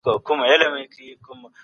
پر بل انسان تیری کول جواز نه لري.